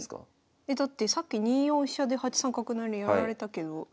えだってさっき２四飛車で８三角成やられたけど。